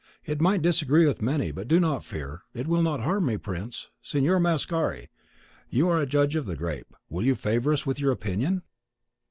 It might disagree with many, but do not fear: it will not harm me, prince, Signor Mascari, you are a judge of the grape; will you favour us with your opinion?"